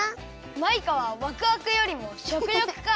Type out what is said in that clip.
マイカはわくわくよりもしょくよくか！